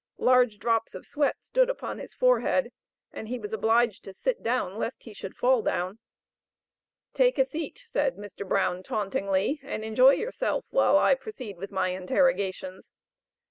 Large drops of sweat stood upon his forehead, and he was obliged to sit down, lest he should fall down. "Take a seat," said Mr. Brown tauntingly, "and enjoy yourself, while I proceed with my interrogations."